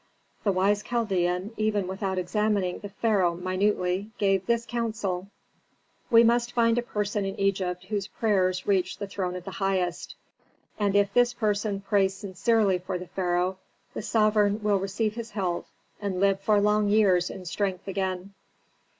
The wise Chaldean, even without examining the pharaoh minutely, gave this counsel, "We must find a person in Egypt whose prayers reach the throne of the Highest. And if this person prays sincerely for the pharaoh, the sovereign will receive his health and live for long years in strength again."